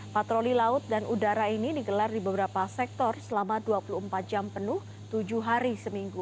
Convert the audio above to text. patroli laut dan udara ini digelar di beberapa sektor selama dua puluh empat jam penuh tujuh hari seminggu